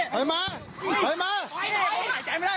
ถอยมาถอยมาถอยมา